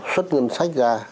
xuất ngân sách ra